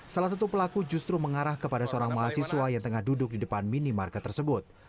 salah satu pelaku justru mengarah kepada seorang mahasiswa yang tengah duduk di depan minimarket tersebut